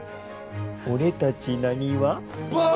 俺たちなにわ。